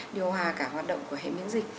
điều hòa cả hoạt động của hệ miễn dịch